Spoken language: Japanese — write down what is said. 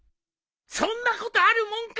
そんなことあるもんか！